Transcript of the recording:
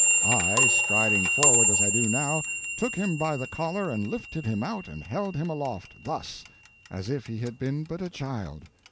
I, striding forward as I do now, took him by the collar and lifted him out and held him aloft—thus—as if he had been but a child."